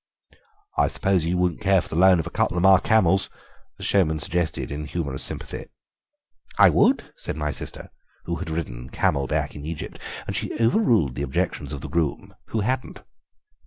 'I suppose you wouldn't care for the loan of a couple of my camels?' the showman suggested, in humorous sympathy. 'I would,' said my sister, who had ridden camel back in Egypt, and she overruled the objections of the groom, who hadn't.